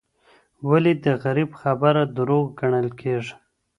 ولي د غریب خبره دروغ ګڼل کیږي؟